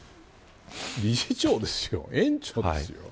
理事長ですよ、園長ですよ。